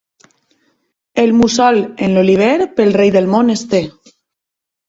El mussol en l'oliver pel rei del món es té.